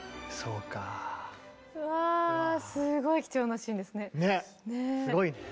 うわすごい貴重なシーンですね。ね？